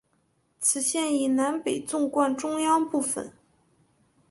此线以南北纵贯中央部分。